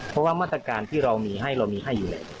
เพราะว่ามาตรการที่เรามีให้เรามีให้อยู่แหละ